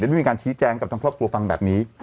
ได้มีการชี้แจงกับทางครอบครัวฟังแบบนี้